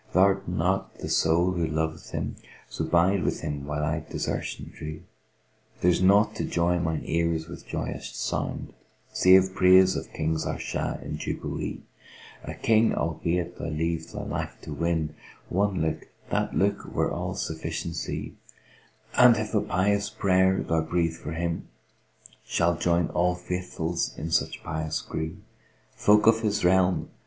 th'art not the sole who loveth him, * So bide with him while I desertion dree: There's nought to joy mine ears with joyous sound * Save praise of King Zahr Shah in jubilee: A King albeit thou leave thy life to win * One look, that look were all sufficiency: And if a pious prayer thou breathe for him, * Shall join all Faithfuls in such pious gree: Folk of his realm!